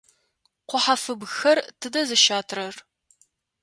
Ку хьафыбгхэр тыдэ зыщатрэр?